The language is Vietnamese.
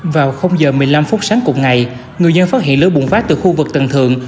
vào giờ một mươi năm phút sáng cùng ngày người dân phát hiện lửa bùng phát từ khu vực tầng thượng